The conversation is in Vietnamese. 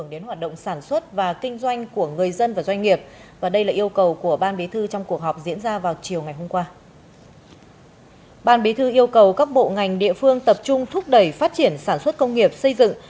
điều cầu các bộ ngành địa phương tập trung thúc đẩy phát triển sản xuất công nghiệp xây dựng